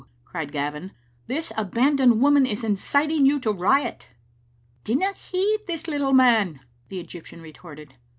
'" cried Gavin. "This abandoned woman is inciting you to riot." ''Dinna heed this little man/' the Egyptian retorted.